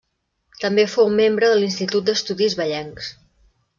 També fou membre de l'Institut d'Estudis Vallencs.